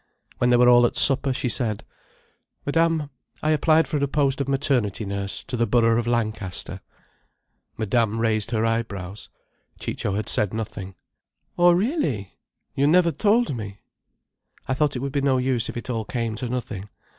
When they were all at supper, she said: "Madame, I applied for a post of maternity nurse, to the Borough of Lancaster." Madame raised her eyebrows. Ciccio had said nothing. "Oh really! You never told me." "I thought it would be no use if it all came to nothing.